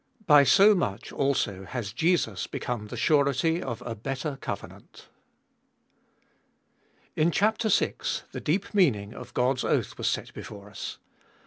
By so much also has Jesus become the surety of a better covenant. IN chap. vi. the deep meaning of God's oath was set before us.